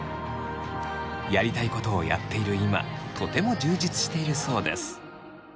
やりたいことをやっている今とても充実しているそうです。